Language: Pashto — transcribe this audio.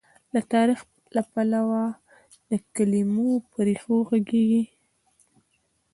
له تاریخي، پلوه د کلمو پر ریښو غږېږي.